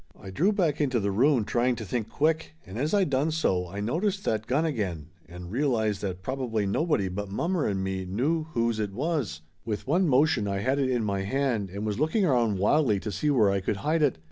I drew back into the room trying to think quick, and as I done so I noticed that gun again and realized that probably nobody but mommer and me knew whose it 304 Laughter Limited was. With one motion I had it in my hand, and was looking around wildly to see where I could hide it.